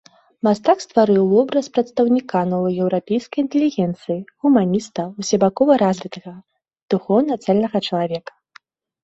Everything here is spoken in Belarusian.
Мастак стварыў вобраз прадстаўніка новай еўрапейскай інтэлігенцыі, гуманіста, усебакова развітага, духоўна цэльнага чалавека.